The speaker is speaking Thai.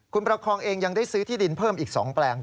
คุณประคองเองยังได้ซื้อที่ดินเพิ่มอีก๒แปลง